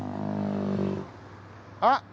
あっ！